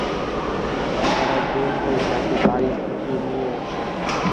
তারা দুই ভাই তাকে বাড়ি ফিরিয়ে নিয়ে আসে।